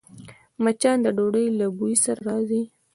مچان د ډوډۍ له بوی سره راځي